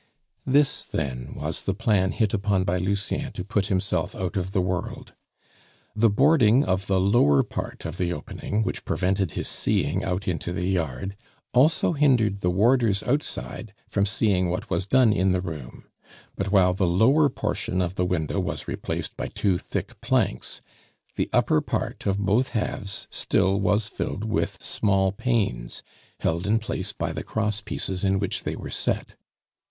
This, then, was the plan hit upon by Lucien to put himself out of the world. The boarding of the lower part of the opening, which prevented his seeing out into the yard, also hindered the warders outside from seeing what was done in the room; but while the lower portion of the window was replaced by two thick planks, the upper part of both halves still was filled with small panes, held in place by the cross pieces in which they were set.